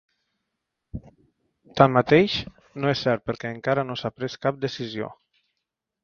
Tanmateix, no és cert perquè encara no s’ha pres cap decisió.